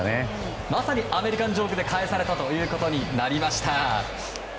まさにアメリカンジョークで返されたということになりました。